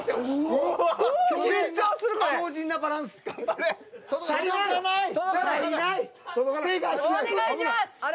お願いします！